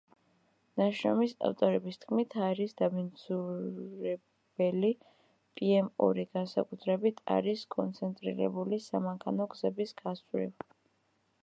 ნაშრომის ავტორების თქმით, ჰაერის დამბინძურებელი პიემ-ორი განსაკუთრებით არის კონცენტრირებული სამანქანო გზების გასწვრივ.